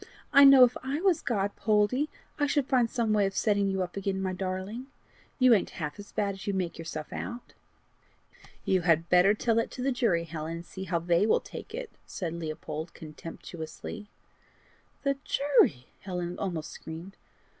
I know if I was God, Poldie, I should find some way of setting you up again, my darling. You ain't half as bad as you make yourself out." "You had better tell that to the jury, Helen, and see how they will take it," said Leopold contemptuously. "The jury!" Helen almost screamed.